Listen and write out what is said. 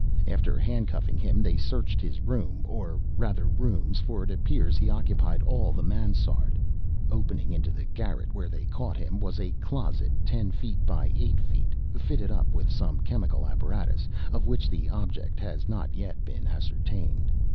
After hand cuffing him, they searched his room, or rather rooms, for it appears he occupied all the mansarde. Opening into the garret where they caught him, was a closet, ten feet by eight, fitted up with some chemical apparatus, of which the object has not yet been ascertained.